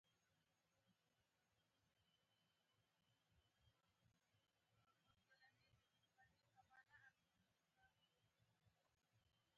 هغه د خپلي فیصلې څخه سیکهانو مشرانو ته اطلاع ورکړې ده.